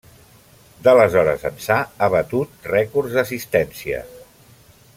D'aleshores ençà ha batut rècords d'assistència.